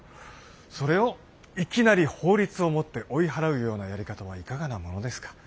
それをいきなり法律をもって追い払うようなやり方はいかがなものですか。